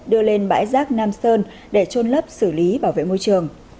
đưa lên bãi rác nam sơn để trôn lấp xử lý bảo vệ môi trường